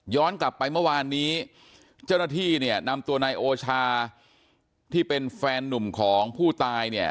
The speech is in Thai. ย้อนกลับไปเมื่อวานนี้เจ้าหน้าที่นำตัวในโอชาที่เป็นแฟนหนุ่มของผู้ตาย